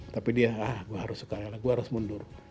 tapi dia ah gue harus soekarela gue harus mundur